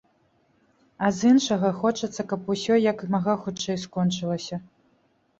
А з іншага, хочацца, каб усё як мага хутчэй скончылася.